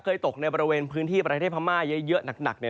ตกในบริเวณพื้นที่ประเทศพม่าเยอะหนักเนี่ย